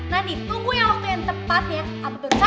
nanti tunggu yang waktu yang tepat ya